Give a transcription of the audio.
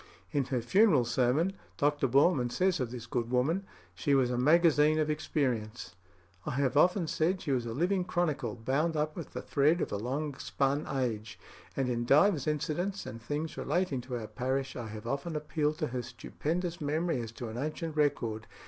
In her funeral sermon, Dr. Boreman says of this good woman: "She was a magazine of experience.... I have often said she was a living chronicle bound up with the thread of a long spun age. And in divers incidents and things relating to our parish, I have often appealed to her stupendous memory as to an ancient record....